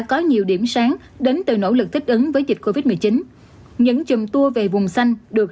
có nhiều điểm sáng đến từ nỗ lực thích ứng với dịch covid một mươi chín những chùm tour về vùng xanh được